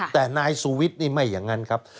แต่นายสุวิทย์นี่ไม่อย่างนั้นครับ